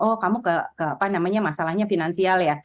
oh kamu ke apa namanya masalahnya finansial ya